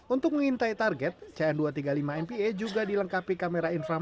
untuk mengintai target cn dua ratus tiga puluh lima mpa juga dilengkapi kamera inframe